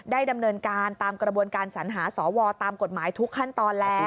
ดำเนินการตามกระบวนการสัญหาสวตามกฎหมายทุกขั้นตอนแล้ว